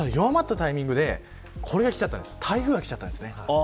弱まったタイミングで台風がきちゃったんです。